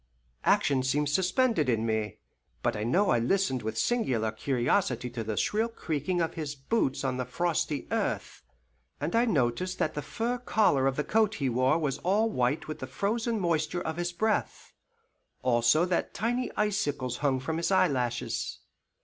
Action seemed suspended in me, but I know I listened with singular curiosity to the shrill creaking of his boots on the frosty earth, and I noticed that the fur collar of the coat he wore was all white with the frozen moisture of his breath, also that tiny icicles hung from his eyelashes.